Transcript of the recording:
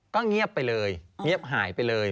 ก็เงียบไปเลยเงียบหายไปเลย